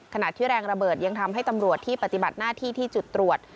ขณะที่แรงระเบิดยังทำให้ตำรวจที่ปฏิบัติหน้าที่ที่จุดตรวจ